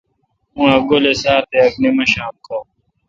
اُن ا ک گولے°سار تےاک نمشام کھہ